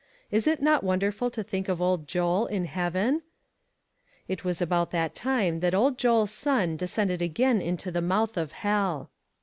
Is it not wonderful to think of old Joel in heaven ?" It was about that time that old Joel's son descended again into the mouth of hell.